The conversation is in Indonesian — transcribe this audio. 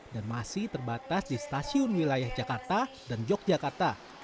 dan masih terbatas di stasiun wilayah jakarta dan yogyakarta